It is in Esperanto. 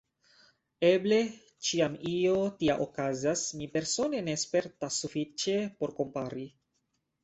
Eble ĉiam io tia okazas, mi persone ne spertas sufiĉe por kompari.